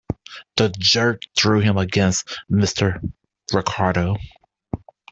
The jerk threw him against Mr. Ricardo.